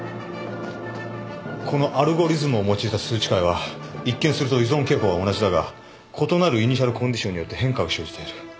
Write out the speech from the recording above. このアルゴリズムを用いた数値からは一見すると依存傾向は同じだが異なるイニシャルコンディションによって変化が生じている。